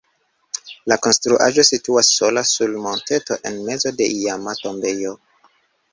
La konstruaĵo situas sola sur monteto en mezo de iama tombejo.